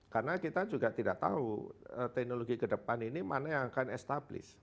karena kita juga tidak tahu teknologi kedepan ini mana yang akan establish